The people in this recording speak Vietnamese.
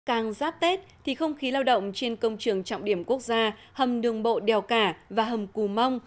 càng giáp tết thì không khí lao động trên công trường trọng điểm quốc gia hầm đường bộ đèo cả và hầm cù mông